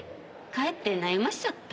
かえって悩ませちゃった？